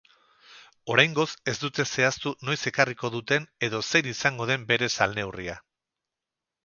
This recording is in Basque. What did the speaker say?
Oraingoz ez dute zehaztu noiz ekarriko duten edo zein izango den bere salneurria.